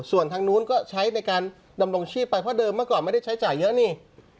ส่วนทางนู้นก็ใช้ในการดำรงชีพไปเพราะเดิมเมื่อก่อนไม่ได้ใช้จ่ายเยอะนี่